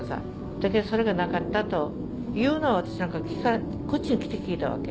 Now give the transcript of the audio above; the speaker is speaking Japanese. だけどそれがなかったというのは私何かこっちに来て聞いたわけ。